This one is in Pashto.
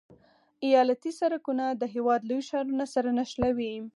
ایالتي سرکونه د هېواد لوی ښارونه سره نښلوي